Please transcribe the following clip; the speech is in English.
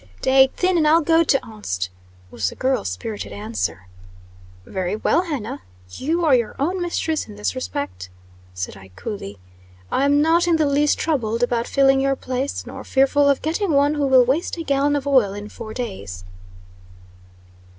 "Dade, thin, and I'll go to onst," was the girl's spirited answer. "Very well, Hannah. You are your own mistress in this respect," said I, coolly. "I'm not in the least troubled about filling your place; nor fearful of getting one who will waste a gallon of oil in four days."